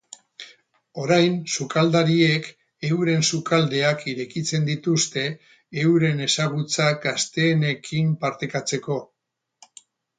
Orain sukaldariek euren sukaldeak irekitzen dituzte euren ezagutzak gazteenekin partekatzeko.